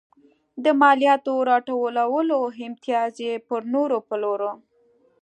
د مالیاتو راټولولو امتیاز یې پر نورو پلوره.